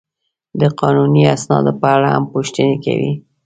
د قانوني اسنادو په اړه هم پوښتنې کوي.